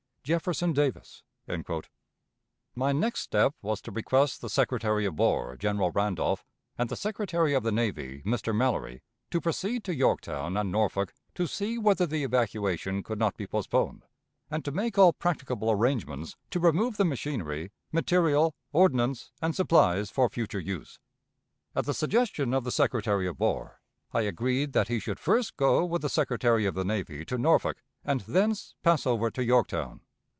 "JEFFERSON DAVIS." My next step was to request the Secretary of War, General Randolph, and the Secretary of the Navy, Mr. Mallory, to proceed to Yorktown and Norfolk to see whether the evacuation could not be postponed, and to make all practicable arrangements to remove the machinery, material, ordnance, and supplies for future use. At the suggestion of the Secretary of War, I agreed that he should first go with the Secretary of the Navy to Norfolk and thence pass over to Yorktown.